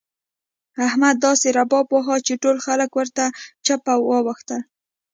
احمد داسې رباب وواهه چې ټول خلګ ورته چپه واوښتل.